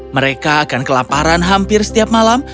mereka akan kelaparan hampir setiap malam